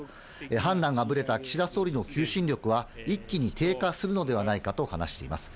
判断がぶれた岸田総理の求心力は、一気に低下するのではないかと話しています。